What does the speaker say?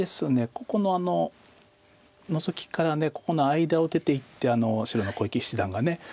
ここのノゾキからここの間を出ていって白の小池七段が。